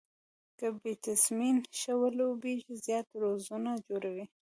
که بيټسمېن ښه ولوبېږي، زیات رنزونه جوړوي.